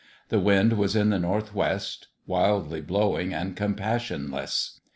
The wind was in the northwest wildly blowing and corn passionless.